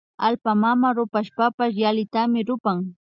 Allpa mama rupashpapash yallitami rupan